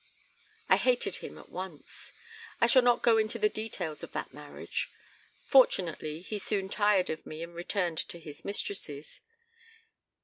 "I hated him at once. I shall not go into the details of that marriage. Fortunately he soon tired of me and returned to his mistresses.